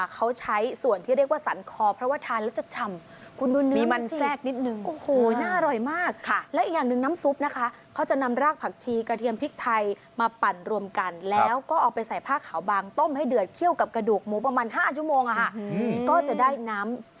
เขาใช้ส่วนที่เรียกว่าสรรคอเพราะว่าทานแล้วจะชำ